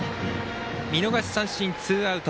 見逃し三振、ツーアウト。